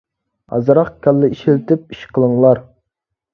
ئازراق كاللا ئىشلىتىپ ئىش قىلىڭلار!